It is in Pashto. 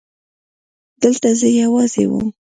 دلته زه يوازې وم.